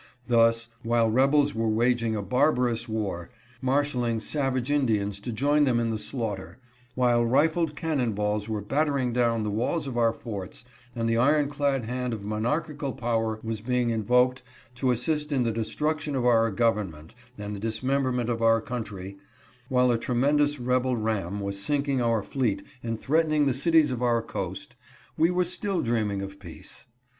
Thus, while rebels were waging a barbarous war, marshaling savage Indians to join them in the slaughter, while rifled cannon balls were battering down the walls of our forts, and the iron clad hand of monarchical power was being invoked to assist in the destruction of our government and the dismemberment of our country, while a tremendous rebel ram was sinking our fleet and threatening the cities of our coast, we were still dreaming of peace.